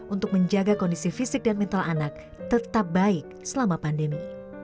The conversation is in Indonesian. untuk menjaga kondisi fisik dan mental anak tetap baik selama pandemi